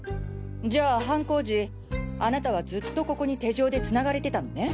じゃあ犯行時あなたはずっとここに手錠で繋がれてたのね。